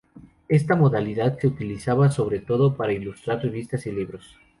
Esta modalidad se utilizaba sobre todo para ilustrar revistas y libros.